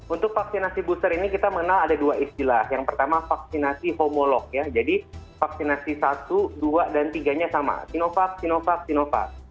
untuk vaksinasi booster ini kita mengenal ada dua istilah yang pertama vaksinasi homolog ya jadi vaksinasi satu dua dan tiga nya sama sinovac sinovac sinovac